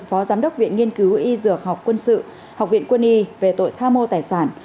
phó giám đốc viện nghiên cứu y dược học quân sự học viện quân y về tội tham mô tài sản